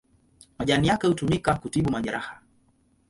Majani yake hutumika kutibu majeraha.